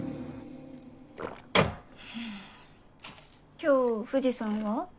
今日藤さんは？